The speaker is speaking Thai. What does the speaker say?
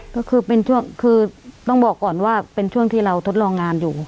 ก็คือเป็นช่วงคือต้องบอกก่อนว่าเป็นช่วงที่เราทดลองงานอยู่